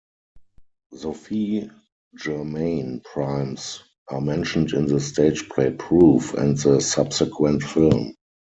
Sophie Germain primes are mentioned in the stage play "Proof" and the subsequent film.